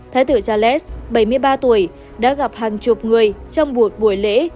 thái tử charles bảy mươi ba tuổi đã gặp hàng chục người trong buổi lễ